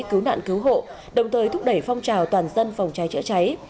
cứu nạn cứu hộ đồng thời thúc đẩy phong trào toàn dân phòng cháy chữa cháy